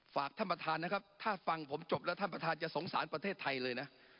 ฝากท่านประธานนะครับถ้าฟังผมจบแล้วท่านประธานจะสงสารประเทศไทยเลยนะ